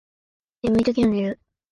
眠いときは寝る